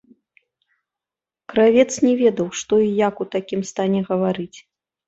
Кравец не ведаў, што і як у такім стане гаварыць.